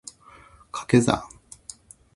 掛け算